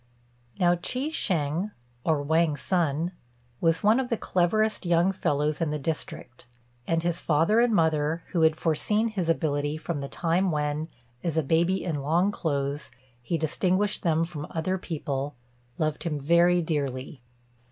Now Chi shêng, or Wang Sun, was one of the cleverest young fellows in the district; and his father and mother, who had foreseen his ability from the time when, as a baby in long clothes, he distinguished them from other people, loved him very dearly.